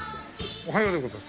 おはようございます。